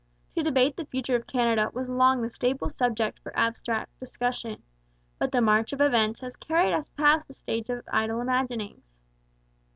To debate the future of Canada was long the staple subject for abstract discussion, but the march of events has carried us past the stage of idle imaginings.